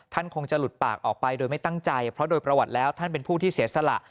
คงจะหลุดปากออกไปโดยไม่ตั้งใจเพราะโดยประวัติแล้วท่านเป็นผู้ที่เสียสละ